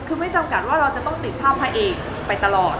คือไม่จำกัดว่าเราจะต้องติดภาพพระเอกไปตลอด